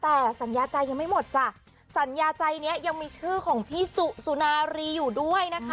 แต่สัญญาใจยังไม่หมดจ้ะสัญญาใจเนี้ยยังมีชื่อของพี่สุสุนารีอยู่ด้วยนะคะ